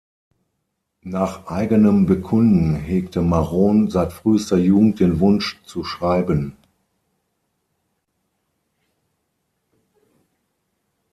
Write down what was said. Nach eigenem Bekunden hegte Maron seit frühester Jugend den Wunsch, zu schreiben.